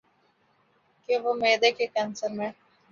کہ وہ معدے کے کینسر میں